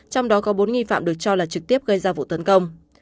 trong đó có bốn nghi phạm được cho là trực tiếp gây ra vụ tấn công